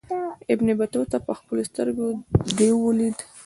ابن بطوطه پخپلو سترګو دېو ولید.